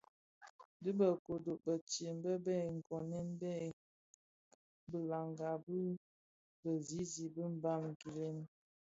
Di bë kodo bëtsem bë bë koomè bèè ki bilama ki bizizig bi Mbam kidhilè,